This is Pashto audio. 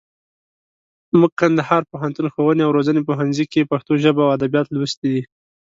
موږ کندهار پوهنتون، ښووني او روزني پوهنځي کښي پښتو ژبه او اودبيات لوستي دي.